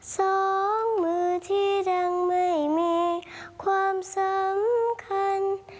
สองมือที่ดังไม่มีความสำคัญ